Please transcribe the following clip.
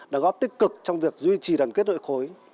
đã góp tích cực trong việc duy trì đẳng kết đội khối